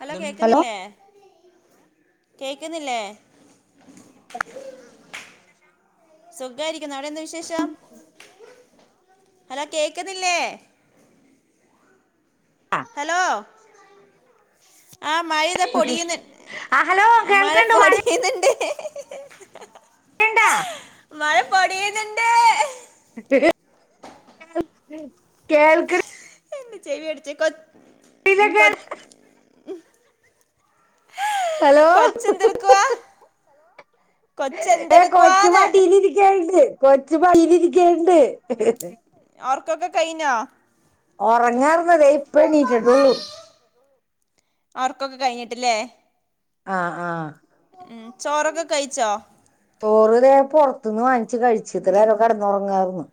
Hello കേക്കുന്നില്ലേ കേക്കുന്നില്ലേ? സ്വഖായിരിക്കുന്നോ വടഎന്താവി ശേഷം ഹലോ കേക്കുന്നില്ലേ? ഹലോ. ആ മഴയിത പൊടിയ്ന്ന്. ആ ഹലോ മഴ കേൾക്കണ്ട് പൊടിയണിണ്ട്. എണ്ട. മഴ പൊടിയ്ന്നിണ്ട്. [unintelligible] കേൾക്ക്ണ്. എന്താ ചെവി അടിച്ചേ കൊ ഉ കൊ. കേൾ ഹലോ കൊച്ചന്തുട്ക്കുവാ കൊച്ച. ഏ കൊച്ചുമടിയിലിരിക്കണ്ട് കൊച്ചുമടിയിലിരിക്കണ്ട്. ഒർക്കൊക്കെ കയ്ഞ്ഞാ.? ഒറങ്ങാർന്നെ ഇപ്പ എണീറ്റട്ടൊള്ളു. ഒർക്കൊക്കെ കഴിഞ്ഞിട്ടല്ലേ. ആഹ് ആഹ്. ഉഉം ചോറൊക്കെ കയിച്ചോ.? ചോറുതേ പൊറത്ത്ന്ന് വാങ്ങിച്ച് കഴിച്ച് ഇത്രനേരം കെടന്നൊറങ്ങാര്ന്ന്.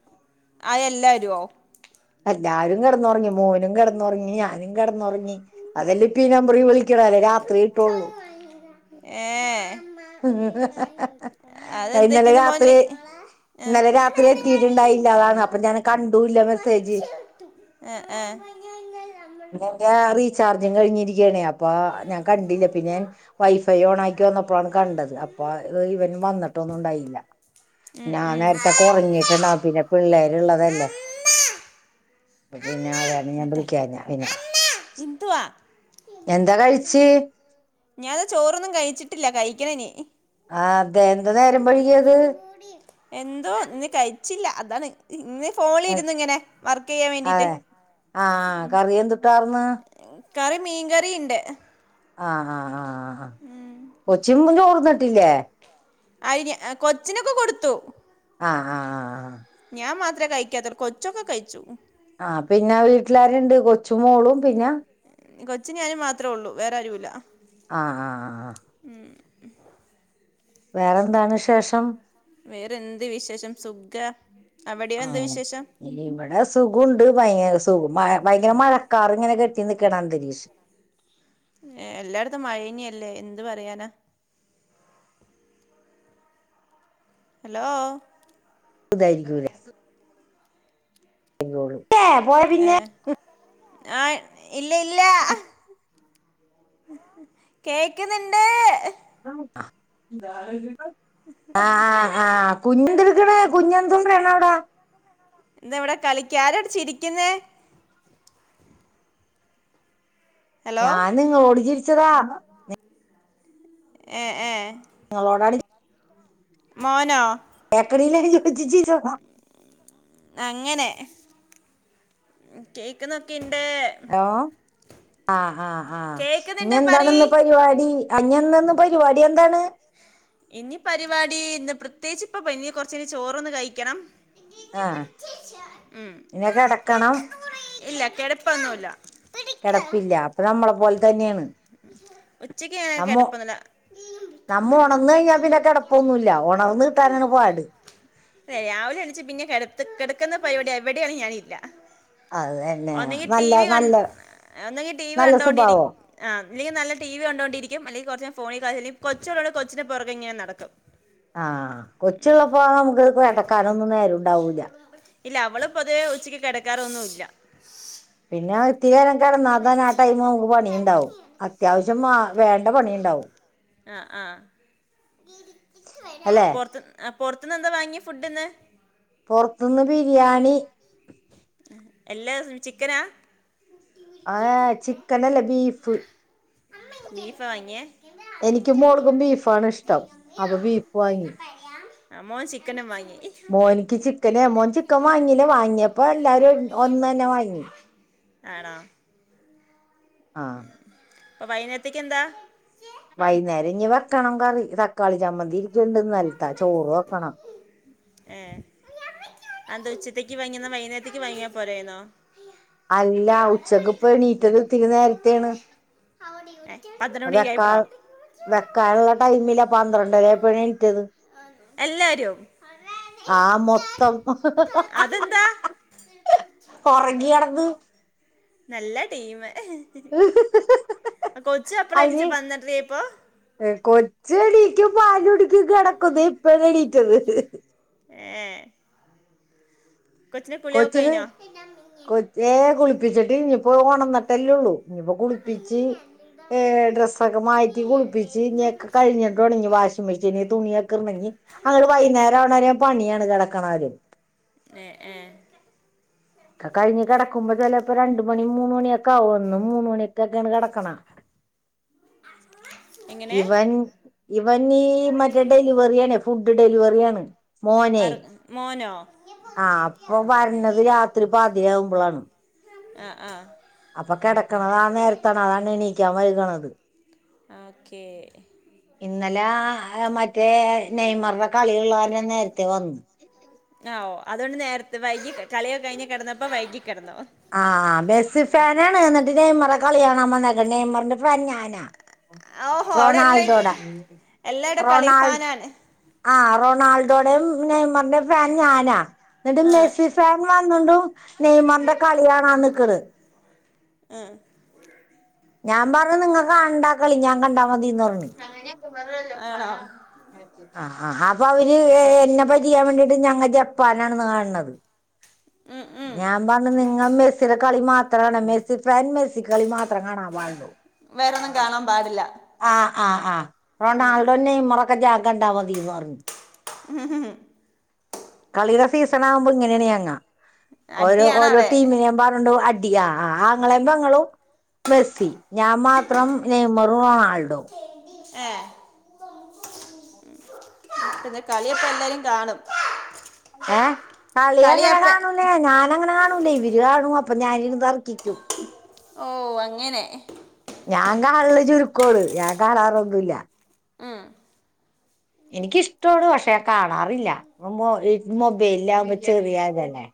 ആയെല്ലരോ. എല്ലാരും കെടന്നൊറങ്ങി മോനും കെടന്നൊറങ്ങി ഞാനും കെടന്നൊറങ്ങി. അതെല്ലേ ഇപ്പഈ നമ്പറി വിളിക്കണെ അല്ലേ രാത്രി കിട്ടൊള്ളൂ. ഏഹ്. ഹ ഹ ഹ അതെന്തറ്റിന്ന് മോൻല് അയിന്നലരാത്രി. ഏഹ് ന്നലെ രാത്രി എത്തിയിട്ടുണ്ടായില്ല അതാണ്, അപ്പൊ ഞാൻ കണ്ടുല്ല മെസ്സേജ്. ഏഹ് ഏഹ്. പിന്നെ റീചാർജും കഴിഞ്ഞിരിക്കാണെഅ പ്പൊ ഞാൻ കണ്ടില്ല പിന്നെ ൻ വൈഫൈ ഓൺ ആക്കി വന്നപ്പോണ് കണ്ടത് അപ്പ ഇവനും. വന്നിട്ടൊന്നും ണ്ടായില്ല ഉം ഞാൻ ഉം നേരത്തെ കൊറങ്ങിക്കാണ് അബിനെ പിന്നെ പിള്ളേർക്കെള്ളതല്ലേ. പിന്നെ അതാര്ന്ന് ഞാൻ വിളിക്കഞ്ഞ പിന്നെ. ന്തുവാ?. എന്താ കഴിചെ? ഞാനൻത് ചോറൊന്നും കഴിച്ചിട്ടില്ല കഴിക്കണനി. ആ തെ ന്ത നേരം വഴകിയത്? കുടി എന്തോ ഇന്ന് കഴിച്ചില്ല അതാണ് ഇന്ന് ഫോണിരുന്നു. ഇങ്ങനെ വർക്ക് ചെയ്യാൻ വേണ്ടിട്ട്. ആഹ് കറിയെന്തുട്ടാർന്ന്. കറി മീൻകറിണ്ട്. ആഹ് ആഹ് ആഹ് ആ ആ കൊച്ചും ചോർന്നിട്ടില്ലേ. അയിന് കൊച്ചിനൊക്കെകൊടുത്തു. ആഹ് ആഹ് ആഹ്. ആഹ് ആഹ് ഞാൻ മാത്രേ കഴിക്കാത്ത് കൊച്ചൊക്കെ കഴിച്ചു. ആഹ പിന്നെ വീട്ടിലാരുണ്ട് കൊച്ചുമോളും പിന്നെ. കൊച്ചും ഞാനും മാത്രേള്ളൂ വേറെ ആരുല്ല. ആഹ് ആഹ് ആഹ്. ഉം. വേറെന്താണ് വിശേഷം. വേറെന്ത് വിശേഷം സുഖ അവിടെയെന്തൊ ആഹ് വിശേഷം. ഇവിടെ സുഖുണ്ട് ഭയ സുഖം ഭയങ്കര മഴക്കാർ ഇങ്ങനെ കെട്ടി നിക്കണ അന്തരീക്ഷം. ഏഹ് എല്ലായിടത്തും മഴയിനെല്ലേ എന്ത് പറയാനാ. അലോ. അതായിരിക്കുല്ലേ. കോള്. ഏ ആ ഇല്ല ഇല്ല. ആ കേക്കുന്നുണ്ട്. ആഹ് ആഹ് കുഞ്ഞ് എന്ത് ഇട്ക്കാണ് കുഞ്ഞെ എന്തോേണ് അവിടെ. എന്താ ഇവിടെ കളിക്കാ ആരടോച്ചിരിക്കുന്നൊ. ഹലോ ഞാന് ഇങ്ങളോട്ട് ചിരിച്ചതാ. ഏ ഏ നിങ്ങളോട് ടി മോനോ കേക്ക് ണ് ലടി [unintelligible] അങ്ങനെ കേക്ക്ന്നോക്കെ ഇണ്ട്. ഓ ആഹ ആഹ് ആഹ് ഇനി കേക്കുന്നുണ്ട് പറയ് എന്താണന്ന് പരിപാടി. ഇഇന്നന്ന് പരിപാടി എന്താണ്. ഇനി പരിപാടി ഇന്ന് പ്രത്യേകിച്ച് ഇപ്പ പ ഇനി കൊറച്ച്കഴിഞ്ഞ് ചോറ് കഴിക്കണം കഴിക്കണം. ആഹ് ഇനി കിടക്കണം ഉ ഇല്ല കിടപ്പൊന്നുമല്ല. കിടപ്പില്ല അപ്പൊ നമ്മളെ പോലെ തന്നെയാണ്. ഉ ഉച്ചക്ക് ഞന് കെടപ്പന്നുല്ല. നമ്മള് ഉണർന്നാ കഴിഞ്ഞാൽ പിന്നെ കിടപ്പൊന്നുല്ല ഉണർന്ന് കിട്ടാനാണ് പോട്. അല്ലെ രാവിലെ എണിച്ചച്ച് പിന്നെ കട കിടക്കുന്ന പരിപാടി എവിടെയാണ് ഞാന് ഇല്ല. അത് തന്നെ ഒന്നെങ്കി ടി നല്ല വി ക നല്ല ഒന്നെങ്കി ടി വി നല്ല കണ്ടോണ്ടിരി സ്വഭാവം ആ അല്ലെങ്കി നല്ല ടിവി കൊണ്ടിരിക്കും അല്ലെങ്കിൽ ഫോണി കളി കൊച്ചോടെ കൊച്ചി പുറകെങ്ങനെ നടക്കും. ആഹ കൊച്ചുള്ള പോക നമുക്ക് ഇത് എടക്കാനൊന്നും നേരും. ഇല്ല അവള് പൊതുവേ ഉച്ചിക്ക് കിടക്കാറൊന്നും ഇല്ല. പിന്നെ ഇത്തിരി നേരം കെടന്ന [unintelligible] ആ ടൈമ് നമുക്ക് പണിയുണ്ടാവും അത്യാവശ്യം വേണ്ട പണിയുണ്ടാവും ആ ആ അല്ലേ പൊർത്ത് ആ പൊർത്ത്ന്ന് എന്താ വാങ്ങി ഫുഡ് ഇന്ന് പൊർത്ത്ന്ന് ബിരിയാണി എല്ലാ ചിക്കനാ ആ ചിക്കൻ അല്ല ബീഫ് ബീഫാ വാങ്ങിയെ എനിക്കും മോൾക്കും ബീഫാണ് ഇഷ്ടം അപ്പ ബീഫ് വാങ്ങി ആ മോൻ ചിക്കനും വാങ്ങി മോനിക്ക് ചിക്കനെ മോൻ ചിക്കൻ വാങ്ങില വാങ്ങിയപ്പോ എല്ലാരും ഒന്നന്നെ വാങ്ങി ആണോ ആ ഇപ്പ വൈന്നെര്ത്തക്ക് എന്താ വൈന്നേരം ഇഞ്ഞ് വെക്കണം കറി തക്കാളി ചമ്മന്തി ഇരിക്ക്ണ്ട് ഇന്നൽത്ത ചോറ് വക്കണം ഏ അതെന്താ ഉച്ചത്തേക്ക് വാങ്ങിന്നാ വൈന്നേരത്തക്ക് വാങ്ങിയാ പോരായിര്ന്നോ അല്ല ഉച്ചക്ക് ഇപ്പ എണീറ്റത് ഇത്തിരി നേര്ത്തെണ് എ അത് വെക്കാ വെക്കാൻള്ള ടൈമില്ല പന്ത്രണ്ടര ആയപ്പോഴ എണീറ്റത് എല്ലാരും ആ മൊത്തം അതെന്താ ഒർങ്ങി കെടന്ന് നല്ല ടീമ് കൊച്ചു അപ്പളാ എണീചെ അതിന് പന്ത്രണ്ടര ആയപ്പോ കൊച്ച് എണീക്കും പാല്കുടിക്കും കെടക്കുന്ന് ഇപ്പയാ എണീറ്റത് ഏ കൊച്ചിന്റെ കുളിയൊക്കെ കൊച്ചിന് കഴിഞ്ഞോ കൊ ഏ കുളിപ്പിച്ചിട്ട്ല്ല ഇപ്പോ ഓണന്ന്ട്ടല്ലേള്ളൂ ഇഞ്ഞിപ്പ കുളിപ്പിച്ച് ഏ ഡ്രെസൊക്കെ മാറ്റി കുള്പ്പിച്ച് ഇഞ്ഞി ഒക്ക കഴിഞ്ഞി തൊടങ്ങി വാഷിംഗ് മെഷീന് തുണിയക്കെ ഒണങ്ങി അങ്ങഡ് വൈന്നേര ആവ്ണ വരെ പണിയാണ് കെടക്കണവരെ ഏ ഏ ഒക്ക കഴിഞ്ഞ് കെടക്കുമ്പ ചെലെപ്പ രണ്ട്മണി മൂന്ന് മണിയൊക്കെ ആവും എന്നും മൂന്ന് മണിക്കെക്കെണ് കെട ക്ക്ണ എങ്ങനെ ഇവൻ ഇവൻ ഈ മറ്റേ ഡെലിവറിയാണ് ഫുഡ് ഡെലിവറി ആണ് മോനെ അറ് മോനോ ആ അപ്പൊ വര്ണത് രാത്രി പാതിര ആവുമ്പളാണ് ആ ആഹ് അപ്പ കെടക്കണത് ആ നേര്ത്താണ് അതാണ് എണീക്കാൻ വൈക്ണത് ഓക്കേ ഇന്നലെ മറ്റേ നെയ്മർടെ കളി ഇള്ള കാരണം നേര്ത്തെ വന്നു ആവോ അതുകൊണ്ട് നേര്ത്തെ വൈകി കളി ഒക്കെ കഴിഞ്ഞ് കെടന്നപ്പം വൈകി കെടന്നു ആ മെസി ഫാനാണ് ന്നട്ട് നെയ്മറ കളി കാണാൻ വന്നേക്ക് നെയ്മർന്റെ ഫാൻ ഞാനാ ഓഹോ അവിടെ എല്ലാം റൊണാൾഡോടാ എല്ലായിടും കളി റൊണാൾ ഫാനാണ് ആ റൊണാൾഡോടേം നെയ്മർന്റേം ഫാൻ ഞാനാ ന്നട്ട് ആ മെസ്സി ഫാൻ വന്നോണ്ടും നെയ്മർന്റെ കളി കാണാൻ നിക്ക്ണ് ഏഹ് ഞാൻ പർഞ നിങ്ങക്ക് കാണണ്ടാ കളി ഞാൻ കണ്ടാ മതീന്ന് പർഞ്ഞ് ആണോ ആ ഹാ അപ്പൊ അവര് എ എന്ന പറ്റിക്കാൻ വേണ്ടിട്ട് ഞങ്ങ ജപ്പാനാണ് കാൺണത് ഉം ഉം ഞാ വന്ന് നിങ്ങൾ മെസ്സിയുടെ കളി മാത്രം കാണ മെസ്സി ഫാൻ മെസ്സി കളി മാത്രം കാണാൻ പാട്ള്ളൂ വേറൊന്നും കാണാൻ പാടില്ല ആഹ് ആഹ് ആഹ് റൊണാൾഡോ നെയ്മറ്ക്കെ ഞാൻ കണ്ടാമതിന്ന് പറഞ്ഞു ഉം കളിയുടെ സീസൺ ആവുമ്പൊ ഇങ്ങനേണ് ഞങ്ങ ഓരോ അടിയാണ് ഓരോ അവിടെ ടീമിനെ പറഞ്ഞോണ്ട് അ ടിയ ആഹ് ആങ്ങളേം പെങ്ങളും മെസ്സി ഞാൻ മാത്രം നെയ്മറും റൊണാൾഡോ ഏഹ് പിന്നെ കളിയൊക്കെ എല്ലാരും കാണും ഏഹ് കളി അങ്ങനെ കളിയപ്പ കാണൂലേ ഞാൻ അങ്ങനെ കാണൂലേ ഇ വര് കാണും അപ്പൊ ഞാന് ഇരുന്നു തർക്കിക്കും ഓഹ് അങ്ങനെ ഞാൻ കാണല് ചുരുക്കോണ് ഞാൻ കാണാറൊന്നുംല്ല ഉം എനിക്കിഷ്ട്ടോണ് പക്ഷെ കാണാറില്ല ഈ മൊബൈലില് ആകുമ്പൊ ചെറിയ ഇതല്ലേ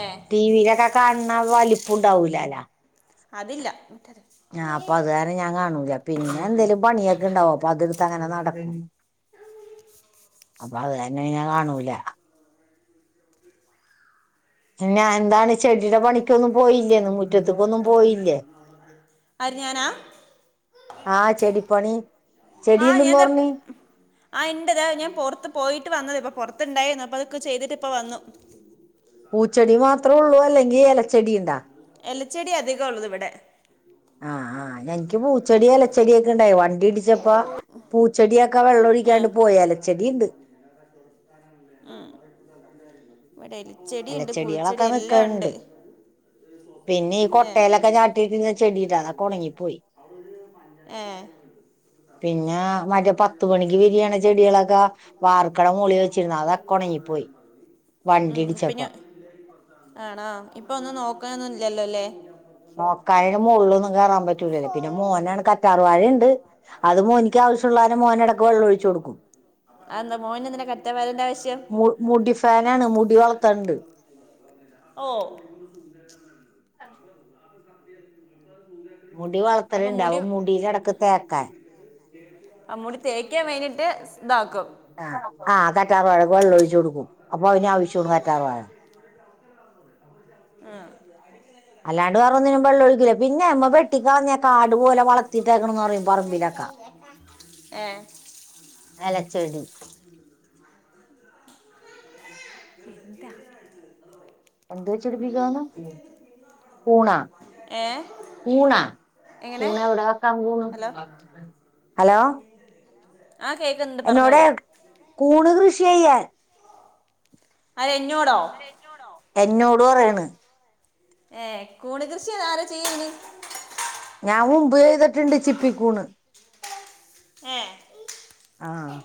ഏഹ് ടി വിയിലൊക്കെ കാണണ വലിപ്പം ഉണ്ടാവൂലല്ല അതില്ല മറ്റേത് ഞാൻ അപ്പൊ അത് കാരണം ഞാൻ കാണൂല പിന്നെ എന്തേലും പണിയൊക്കെ ഉണ്ടാവും അപ്പൊ അത് തങ്ങനെ നടക്കും അപ്പൊ അത് കാരണം ഞാൻ കാണൂല പിന്നെ എന്താണ് ചെടിയുടെ പണിക്കൊന്നും പോയില്ലേന്ന് മുറ്റത്തെക്കൊന്നും പോയില്ലേ ആര് ഞാനാ ആഹ് ചെടി പണി ആഹ് ഞാൻ താ ആഹ് ഇണ്ട് താ ഞാൻ പൊറത്ത് പോയിട്ട് വന്നത് ഇപ്പ പൊ റത്തുണ്ടായിരുന്നു അതൊക്കെ ചെയ്തിട്ട് ഇപ്പ വന്നു പൂച്ചെടി മാത്രേ ഉള്ളൂ അല്ലെങ്കിൽ ഇലച്ചെടിണ്ടാ എലച്ചെടി അധികം ഉള്ളത് ഇവിടെ ആഹ് ആഹ് എനിക്ക് പൂ ചെടിയില ചെടിയൊക്കെ ഇണ്ടായി വണ്ടി ഇടിച്ചപ്പൊ പൂച്ചെടിയൊക്കെ വെള്ളം ഒഴിക്കാണ്ട് പോയി എലച്ചെടിണ്ട് ഉം ഇവിടെ എലച്ചെടി ഉണ്ട് പൂച്ചെടി ഇലച്ചെടികളൊക്കെ എല്ലാം ഉണ്ട് നിക്കണുണ്ട് പിന്നെ ഈ ഏ കൊട്ടയിലൊക്കെ ഞാട്ടിയിട്ടിന്ന് ചെടിണ്ട് അതൊക്കെ ഉണങ്ങിപ്പോയി ഏഹ് പിന്നെ മറ്റേ പത്ത് മണിക്ക് വി രിയണ ചെടികളക്ക വാർക്കട മോളി വച്ചിരുന്ന്‌ അതൊക്കൊണങ്ങി പ്പോയി ഉം പിന്നെ ആണോ ഇപ്പൊ ഒന്നും നോക്കാനൊന്നി ല്ലല്ലോല്ലെ നോക്കാന് മോളിലൊന്നും കേറാൻ പറ്റൂലല്ല് പിന്നെ മോനാണ് കറ്റാർ വാഴയുണ്ട് അത് മോനിക്ക് ആവശ്യള്ളാനം മോൻ ഇടക്ക് വെള്ളം ഒഴിച്ചൊ ടുക്കും അതെന്താ മോൻ എന്തിനാ കറ്റ വരേണ്ട ആവശ്യം മുടി ഫാനാണ് മുടി വളത്തണ്ട് ഓഹ് മുടി അപ്പൊ വളർത്തലുണ്ട് അവൻ മുടീൽ ൽ ഇടക്ക് തേക്കാൻ അമ്മൂടി തേക്കാൻ വേണ്ടിട്ട് ഇതാക്കും ആഹ് ആഹ് കറ്റാർ വാഴ വെള്ളം ഒഴിച്ചു കൊടുക്കും അപ്പൊ അതിന് ആവശ്യോണ് കറ്റാർ വാഴ ആഹ് അല്ലാണ്ട് വേറെ ഒന്നിനും വെള്ളം ഒഴിക്കില്ല പിന്നെമ്മ വെട്ടിക്കളഞ്ഞക്കാട് പോലെ വളർത്തിട്ടേക്കണെന്ന് പറയും പറമ്പിലൊക്ക ഏഹ് അലച്ചെടി എന്തോചെടിപ്പിക്കാനാ കൂണ ഏ കൂണാ എങ്ങനെ കൂണ് എവിടെ വെക്കാം കൂണു ഹലോ ഹലോ ആഹ് കേക്ക്ന്ന് എന്നോടാ കൂണ് കൃഷി ചെയ്യാൻ അരെ ഇഞ്ഞോടോ എന്നോടോ എന്നോട് പറയാണ് ഏ കൂണ് കൃഷിയതാരാ ചെയ്യ്ണ് ഞാൻ മുമ്പ് ചെയ്തിട്ടുണ്ട് ചിപ്പിക്കൂണ് ഏ ആഹ്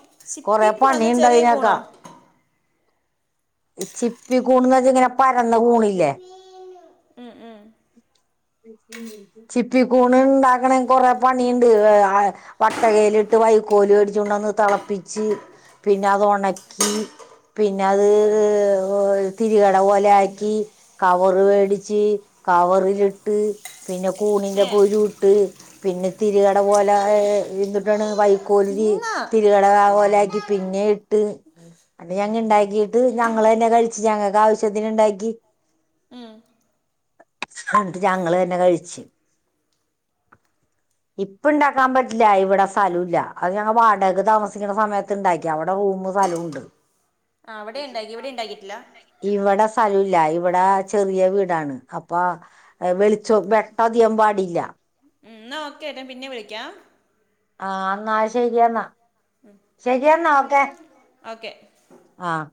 കൊറെ പണി ചിപ്പിക്കൂണെന്ന് ചെറിയ ഇണ്ടതിനൊക്കാ കൂണോ ഇ ചിപ്പി കൂണന്ന്പറഞ്ഞയിഞ്ഞാ ഇങ്ങനെ പരന്ന കൂണില്ലേ ഉം ഉം ചിപ്പിക്കൂണ് ഇണ്ടാക്കണെങ്ങ് കൊറെ പണിയുണ്ട് വട്ടകയിലിട്ട് വൈക്കോല് മേടിച്ച്കൊണ്ട്ന്ന് തളപ്പിച്ച് പിന്നെ അത് ഒണക്കി പിന്നെ അത് ഇഹ് തിരികട പോലെ ആക്കി കവർ മേടിച്ച് കവറിലിട്ട് പിന്നെ കൂണിന്റെ ഏ കുരു ഇട്ട് പിന്നെ തിരികട പോലെ എഹ് എന്തുട്ടാണ് വൈക്കോൽല് ഇന്ന് തിരു കടക പോലെ ആക്കി പിന്നെയിട്ട് ഉം അത് ഞങ്ങെ ഇണ്ടാക്കിയിട്ട് ഞങ്ങള്തന്നെ കഴിച്ച് ഞങ്ങൾക്ക് ആവശ്യത്തിന് ഇണ്ടാക്കി ഉം എന്ന്ട്ട് ഞങ്ങള് തന്നെ കഴിച്ച് ഇപ്പ ഇണ്ടാക്കാൻ പറ്റില്ല ഇവിടെ സലൂല്ല അത് ഞങ്ങ വാ ടകക്ക് താമസിക്കുന്ന സമയത്ത് ഇണ്ടാക്കിയാ അവിടെ റൂമ് സ്ഥലവുംണ്ട് ആഹ് അവിടെയിണ്ടാക്കി ഇവിടെ ഇണ്ടാക്കിയിറ്റില്ല ഇവിടെ സ്ഥലൂല്ല ഇവിടെ ചെറിയ വീടാണ് അപ്പൊ വെളിച്ചോ വെട്ടം അധികം പാടില്ല ഉം ഇന്നാ ഓക്കെട്ടാ ഞാ പിന്നെ വിളിക്കാം ആഹ് എന്നാ ശരിയെന്ന ഉം ശരിയന്നഓക്കെ ഓക്കെ ആഹ്